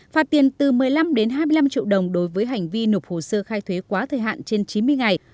phạt tiền từ một mươi năm đến hai mươi năm triệu đồng đối với hành vi nộp hồ sơ khai thuế quá thời hạn trên chín mươi ngày